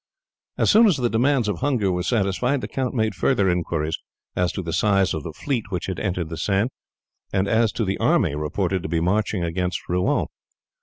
As soon as the demands of hunger were satisfied the count made further inquiries as to the size of the fleet which had entered the Seine, and as to the army reported to be marching against Rouen.